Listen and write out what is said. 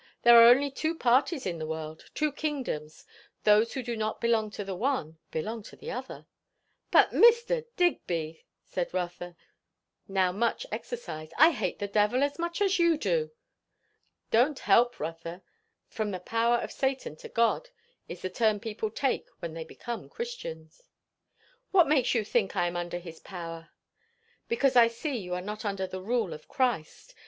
There are only two parties in the world; two kingdoms; those who do not belong to the one, belong to the other." "But Mr. Digby," said Rotha, now much exercised, "I hate the devil as much as you do." "Don't help, Rotha. 'From the power of Satan to God,' is the turn people take when they become Christians." "What makes you think I am under his power?" "Because I see you are not under the rule of Christ.